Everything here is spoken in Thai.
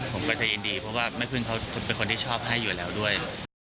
ผมก็จะยินดีเพราะว่าแม่พึ่งเขาเป็นคนที่ชอบให้อยู่แล้วด้วย